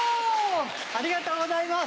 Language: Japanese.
ありがとうございます。